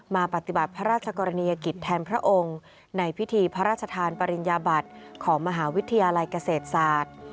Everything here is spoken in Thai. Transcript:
มาปฏิบัติพระราชกรณียกิจแทนพระองค์ในพิธีพระราชทานปริญญาบัติของมหาวิทยาลัยเกษตรศาสตร์